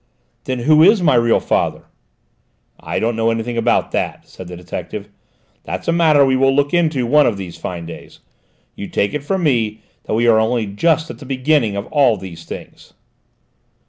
"Then who is my real father?" "I don't know anything about that," said the detective. "That's a matter we will look into one of these fine days! You take it from me that we are only just at the beginning of all these things."